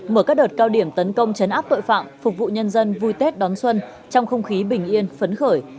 mở các đợt cao điểm tấn công chấn áp tội phạm phục vụ nhân dân vui tết đón xuân trong không khí bình yên phấn khởi